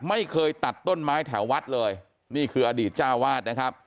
ไม่เคยตัดต้นไม้แถววัดเลยนี่คืออดีตเจ้าวาดนะครับ